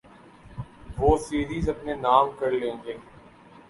وہ سیریز اپنے نام کر لیں گے۔